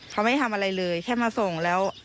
เขาไม่ทำอะไรเลยแค่มาส่งแล้ว